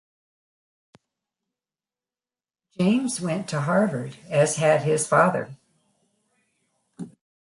James went to Harvard, as had his father.